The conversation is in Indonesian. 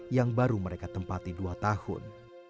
yang baru mereka tempati dua tahun